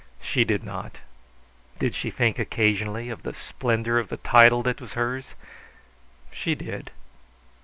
She did not. Did she think occasionally of the splendour of the title that was hers? She did.